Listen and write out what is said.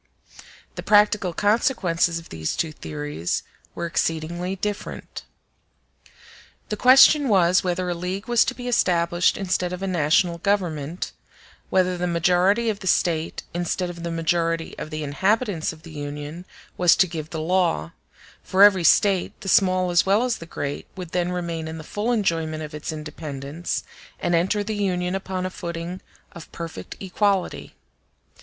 The practical consequences of these two theories were exceedingly different. The question was, whether a league was to be established instead of a national Government; whether the majority of the State, instead of the majority of the inhabitants of the Union, was to give the law: for every State, the small as well as the great, would then remain in the full enjoyment of its independence, and enter the Union upon a footing of perfect equality.